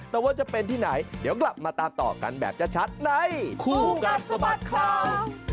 แต่ว่าจะเป็นที่ไหนเดี๋ยวกลับมาตามต่อกันแบบชัดในคู่กัดสะบัดข่าว